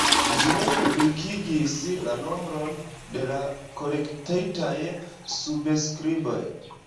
Ĝi ne publikigis la nombron de la kolektitaj subskriboj.